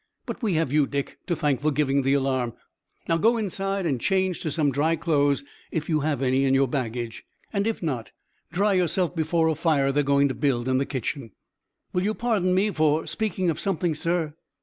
But we have you, Dick, to thank for giving the alarm. Now, go inside and change to some dry clothes, if you have any in your baggage, and if not dry yourself before a fire they're going to build in the kitchen." "Will you pardon me for speaking of something, sir?"